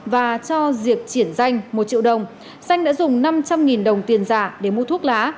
và cho diệp chuyển danh một triệu đồng xanh đã dùng năm trăm linh đồng tiền giả để mua thuốc lá